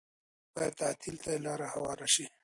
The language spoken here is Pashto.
بايد تعديل ته یې لاره هواره شي